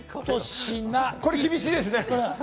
これ厳しいですね。